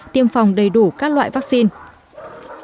tiêm phòng đầy đủ các loại vaccine